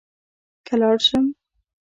که لاړ شم.